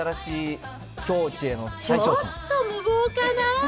ちょっと無謀かな。